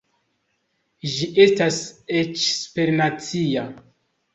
Ĝi estas eĉ supernacia.